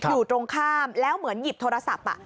อยู่ตรงข้ามแล้วเหมือนหยิบโทรศัพท์